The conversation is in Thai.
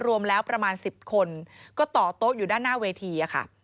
รวมแล้วประมาณ๑๐คนก็ต่อโต๊ะอยู่ด้านหน้าเวทีค่ะ